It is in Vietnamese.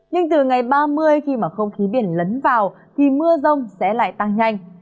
nhưng từ ngày ba mươi khi mà không khí biển lấn vào thì mưa rông sẽ lại tăng nhanh